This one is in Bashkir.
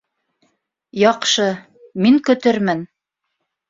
Яҡшы. Мин көтөрмөн